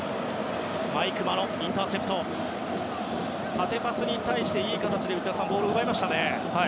内田さん、縦パスに対していい形でボールを奪いましたね。